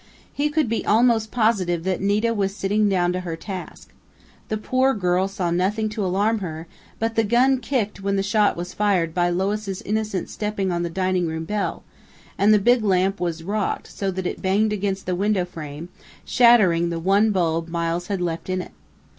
He could be almost positive that Nita was sitting down to her task.... The poor girl saw nothing to alarm her, but the gun kicked when the shot was fired by Lois' innocent stepping upon the dining room bell, and the big lamp was rocked so that it banged against the window frame, shattering the one bulb Miles had left in it.